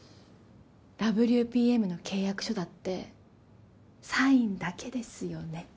ＷＰＭの契約書だってサインだけですよね？